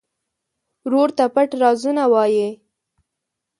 ورور ته پټ رازونه وایې.